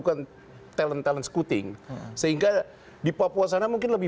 kita sudah bicara mengenai proses administrasi